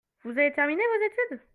Vous avez terminé vos études ?